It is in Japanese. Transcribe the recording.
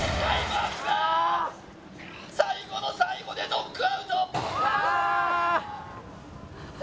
最後の最後でノックアウトあー！